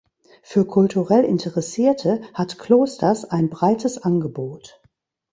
Für kulturell Interessierte hat Klosters ein breites Angebot.